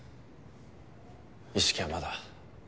意識はまだ。